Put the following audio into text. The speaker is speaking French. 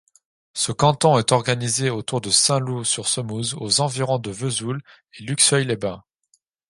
Ce canton est organisé autour de Saint-Loup-sur-Semouse aux environs de Vesoul et Luxeuil-les-Bains.